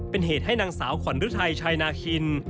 เป็นเหตุให้นางสาวขวัญฤทัยชายนาคิน